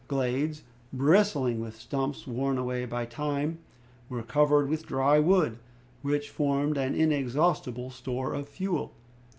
Glades, bristling with stumps worn away by time, were covered with dry wood, which formed an inexhaustible store of fuel.